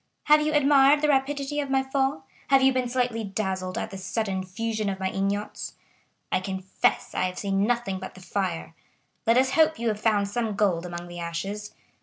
Have you admired the rapidity of my fall? Have you been slightly dazzled at the sudden fusion of my ingots? I confess I have seen nothing but the fire; let us hope you have found some gold among the ashes.